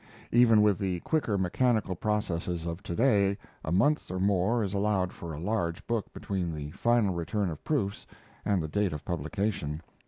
Even with the quicker mechanical processes of to day a month or more is allowed for a large book between the final return of proofs and the date of publication.